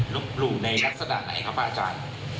รบรู้ในลักษณะไหนครับอาจารย์